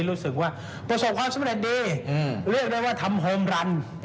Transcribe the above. รู้สึกว่าประสบความสำเร็จดีเรียกได้ว่าทำโฮมรำ